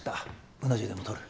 うな重でも取る？